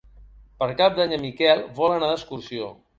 Per Cap d'Any en Miquel vol anar d'excursió.